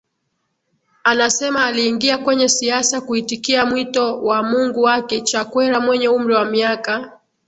anasema aliingia kwenye siasa kuitikia mwito wa Mungu wake Chakwera mwenye umri wa miaka